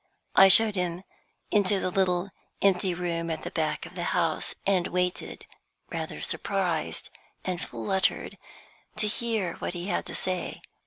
I showed him into the little empty room at the back of the house, and waited, rather surprised and fluttered, to hear what he had to say.